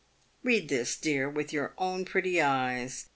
" Bead this, dear, with your own pretty eyes.